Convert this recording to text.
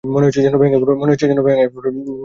মনে হচ্ছে যেনো ভেঙে পড়বে।